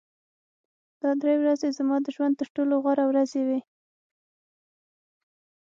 دا درې ورځې زما د ژوند تر ټولو غوره ورځې وې